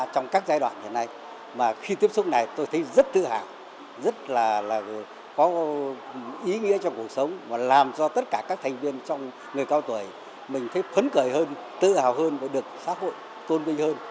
trong các giai đoạn hiện nay mà khi tiếp xúc này tôi thấy rất tự hào rất là có ý nghĩa trong cuộc sống và làm cho tất cả các thành viên trong người cao tuổi mình thấy phấn khởi hơn tự hào hơn và được xã hội tôn vinh hơn